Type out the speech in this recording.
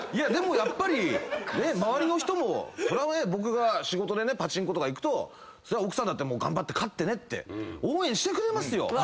でもやっぱり周りの人もそれはね僕が仕事でパチンコとか行くとそりゃ奥さんだって頑張って勝ってねって応援してくれますよ。